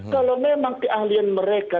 kalau memang keahlian mereka